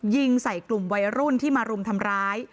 ยิงใส่กลุ่มวัยรุ่นที่มารุมทำร้าย